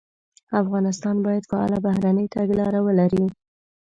افغانستان باید فعاله بهرنۍ تګلاره ولري.